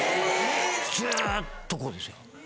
ずっとこうですよ。